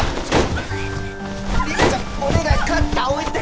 りんごちゃんお願いカッター置いて